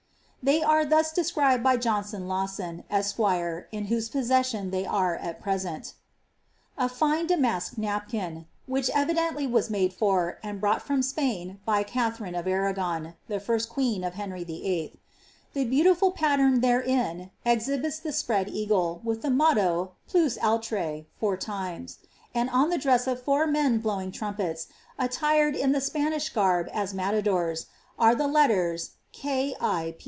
96 Phejr are thus described by Johnson Lawson, esq^ in whose possession hey are at present :—^ A fine damask napkin, which evidently was made for, and brought roni Spain by Katharine of Anagon, the first queen of Henry VIII. The beautiful pattern therein exhibits the spread eagle, with the motto, Plus Oulire^^ four times; and on the dress of four men blowing rampets, attired in the Spanish garb as matadors, are the letters K. 1.